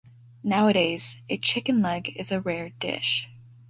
Nowadays, a chicken leg is a rare dish.